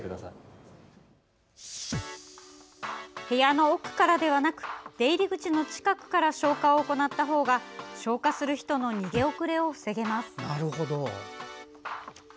部屋の奥からではなく出入り口の近くから消火を行ったほうが消火する人の逃げ遅れを防げます。